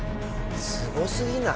すごすぎない！？